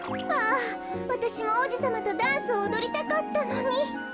あぁわたしもおうじさまとダンスをおどりたかったのに。